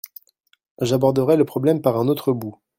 J’aborderai le problème par un autre bout.